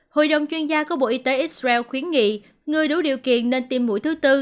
hội đồng chuyên gia của bộ y tế israel khuyến nghị người đủ điều kiện nên tiêm mũi thứ tư